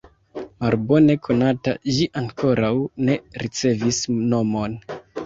Malbone konata, ĝi ankoraŭ ne ricevis nomon.